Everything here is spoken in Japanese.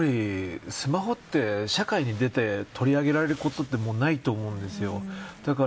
やっぱりスマホって社会に出て取り上げられることってないと思います。